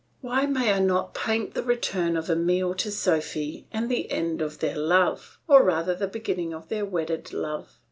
Why may I not paint the return of Emile to Sophy and the end of their love, or rather the beginning of their wedded love!